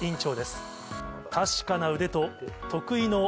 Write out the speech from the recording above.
確かな腕と。